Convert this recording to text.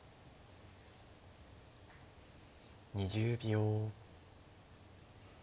２０秒。